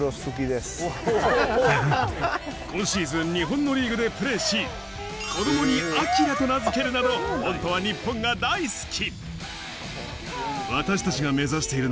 今シーズン日本のリーグでプレーし、子どもにアキラと名づけるなど、本当は日本が大好き。